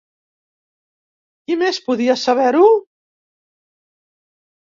Qui més podia saber-ho?